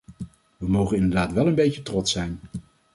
We mogen inderdaad wel een beetje trots zijn.